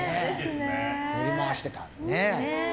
乗り回してたんですね。